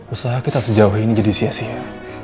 usaha kita sejauh ini jadi sia sia